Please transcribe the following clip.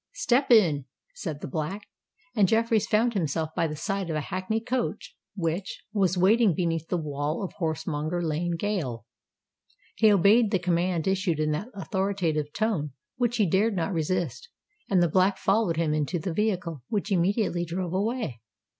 "Step in!" said the Black;—and Jeffreys found himself by the side of a hackney coach which was waiting beneath the wall of Horsemonger Lane gaol. He obeyed the command issued in that authoritative tone which he dared not resist; and the Black followed him into the vehicle, which immediately drove away.